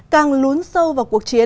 càng lún sâu vào cuộc chiến